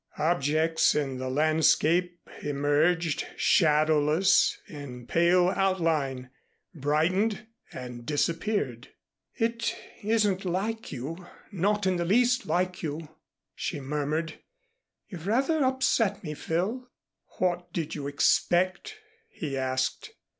Objects in the landscape emerged, shadowless, in pale outline, brightened and disappeared. "It isn't like you not in the least like you," she murmured. "You've rather upset me, Phil." "What did you expect?" he asked.